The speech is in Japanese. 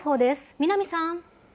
南さん。